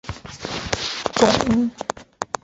腺毛疏花穿心莲为爵床科穿心莲属下的一个变种。